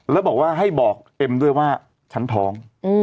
แล้วบอกว่าให้บอกเอ็มด้วยว่าฉันท้อง